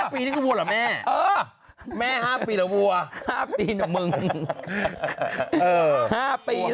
๕ปีแล้วกี่ดิ